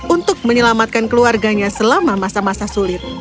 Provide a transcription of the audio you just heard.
untuk menyelamatkan keluarganya selama masa masa sulit